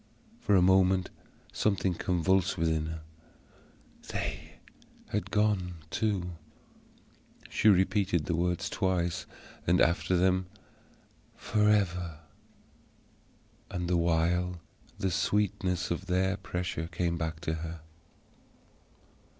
For a moment something convulsed within her. They had gone too. She repeated the words twice, and, after them, "forever." And the while the sweetness of their pressure came back to her.